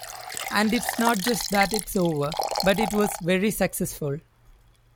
And it's not just that it's over, but it was very successful.